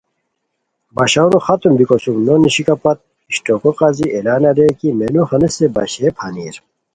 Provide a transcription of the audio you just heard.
باشونو ختم بیکو سُم نو نیشیکہ پت اشٹوکو قاضی اعلان اریر کی مینو ہنیسے باشئیے پھانیر